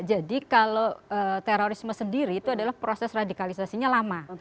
jadi kalau terorisme sendiri itu adalah proses radikalisasinya lama